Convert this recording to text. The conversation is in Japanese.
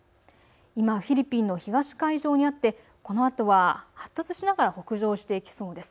今、フィリピンの東海上にあってこのあとは発達しながら北上していきそうです。